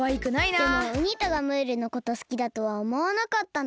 でもウニ太がムールのことすきだとはおもわなかったな。